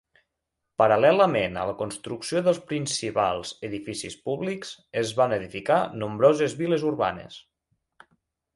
Paral·lelament a la construcció dels principals edificis públics, es van edificar nombroses vil·les urbanes.